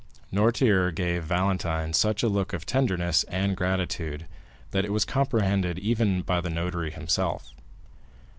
Noirtier gave Valentine such a look of tenderness and gratitude that it was comprehended even by the notary himself.